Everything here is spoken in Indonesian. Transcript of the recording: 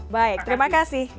baik terima kasih